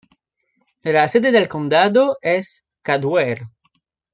La sede del condado es Caldwell.